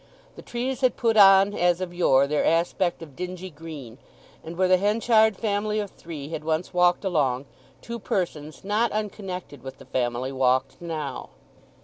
The trees had put on as of yore their aspect of dingy green, and where the Henchard family of three had once walked along, two persons not unconnected with the family walked now.